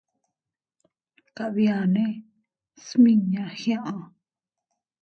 Kabiane smiña giaʼa.